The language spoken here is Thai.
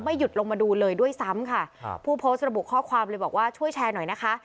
หยุดลงมาดูเลยด้วยซ้ำค่ะครับผู้โพสต์ระบุข้อความเลยบอกว่าช่วยแชร์หน่อยนะคะ